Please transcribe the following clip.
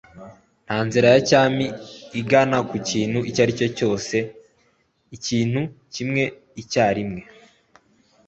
nta nzira ya cyami igana ku kintu icyo ari cyo cyose. ikintu kimwe icyarimwe